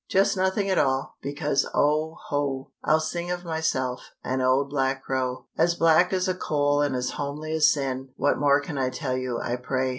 Just nothing at all, because, oh, ho! I'll sing of myself, an old black crow. As black as a coal and as homely as sin What more can I tell you, I pray?